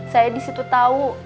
saya disitu tau